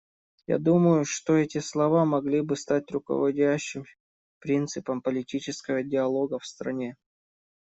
Я думаю, что эти слова могли бы стать руководящим принципом политического диалога в стране.